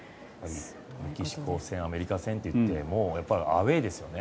メキシコ戦、アメリカ戦ともう、アウェーですよね。